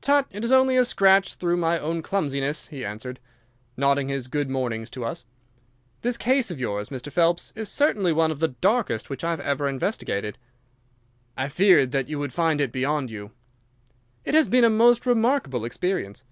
"Tut, it is only a scratch through my own clumsiness," he answered, nodding his good mornings to us. "This case of yours, Mr. Phelps, is certainly one of the darkest which I have ever investigated." "I feared that you would find it beyond you." "It has been a most remarkable experience."